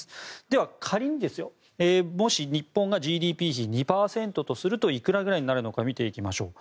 では仮にですがもし、日本がＧＤＰ比２％とするといくらぐらいになるのか見ていきましょう。